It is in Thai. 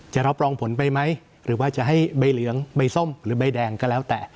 จะรับรองผลไปไหมหรือว่าจะให้ใบเหลืองใบส้มหรือใบแดงก็แล้วแต่